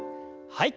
はい。